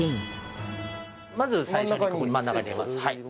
まず最初にここに真ん中に入れます。